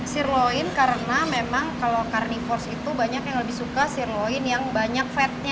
sirloin karena memang kalau carnivorous itu banyak yang lebih suka sirloin yang banyak fatnya